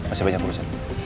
masih banyak urusan